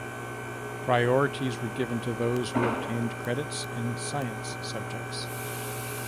Priorities were given to those who obtained credits in Science subjects.